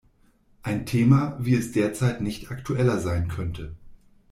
Ein Thema, wie es derzeit nicht aktueller sein könnte.